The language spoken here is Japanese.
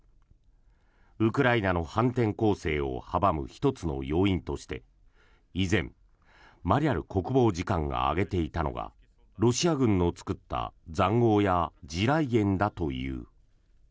ウクライナの反転攻勢を阻む１つの要因として以前、マリャル国防次官が挙げていたのがロシア軍の作った塹壕や地雷原だという。